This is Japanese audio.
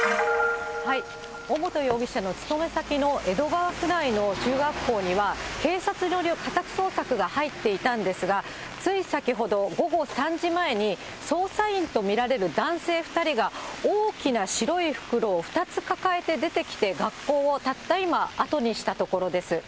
尾本容疑者の勤め先の江戸川区内の中学校には警察による家宅捜索が入っていたんですが、つい先ほど、午後３時前に、捜査員と見られる男性２人が大きな白い袋を２つ抱えて出てきて、学校をたった今、後にしたところです。